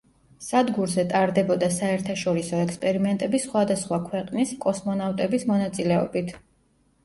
სადგურზე ტარდებოდა საერთაშორისო ექსპერიმენტები სხვადასსხვა ქვეყნის კოსმონავტების მონაწილეობით.